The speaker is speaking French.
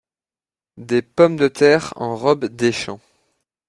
Des pommes de terres en robe des champs.